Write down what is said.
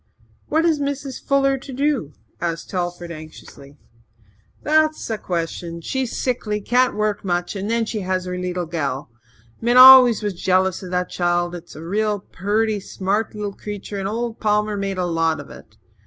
"What is Mrs. Fuller to do?" asked Telford anxiously. "That's the question. She's sickly can't work much and then she has her leetle gal. Min was always jealous of that child. It's a real purty, smart leetle creetur and old Palmer made a lot of it.